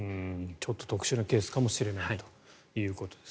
ちょっと特殊なケースかもしれませんということです。